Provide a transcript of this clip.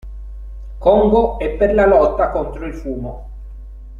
Congo e per la lotta contro il fumo.